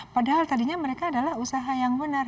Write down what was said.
padahal tadinya mereka adalah usaha yang benar